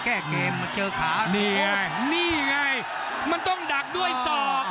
แก้เกมมาเจอขานี่ไงนี่ไงมันต้องดักด้วยศอก